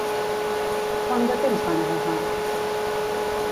Quant de temps va navegar?